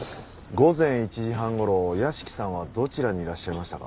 午前１時半頃屋敷さんはどちらにいらっしゃいましたか？